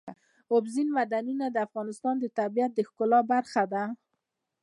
اوبزین معدنونه د افغانستان د طبیعت د ښکلا برخه ده.